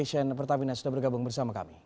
terima kasih meters